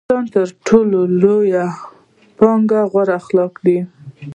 د انسان تر ټولو لويه پانګه غوره اخلاق دي.